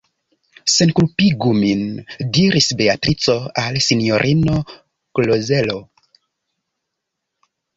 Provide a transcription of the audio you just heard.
Senkulpigu min, diris Beatrico al sinjorino Klozelo.